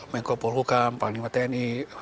menko polhukam pak nima tni